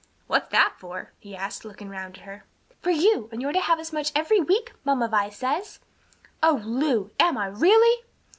"What's that for?" he asked, looking round at her. "For you; and you're to have as much every week, Mamma Vi says." "O Lu! am I, really?"